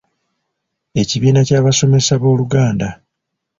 Ekibiina ky’Abasomesa b’Oluganda,